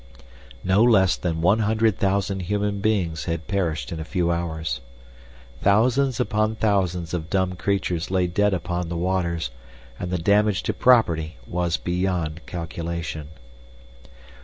No less than one hundred thousand human beings had perished in a few hours. Thousands upon thousands of dumb creatures lay dead upon the waters, and the damage to property was beyond calculation.